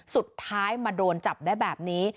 สุดท้ายมาโดนจับได้แบบนี้